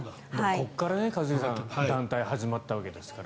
ここから団体が始まったわけですから。